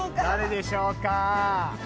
誰でしょうか？